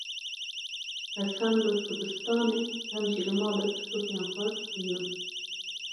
Ez hem li dibistanê, hem jî li malê pirtûkên xwe dixwînim.